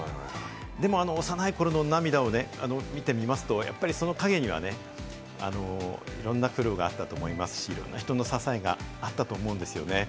でも、幼い頃のあの涙を見てみますと、その陰にはいろんな苦労があったと思いますし、いろんな人の支えがあったと思うんですよね。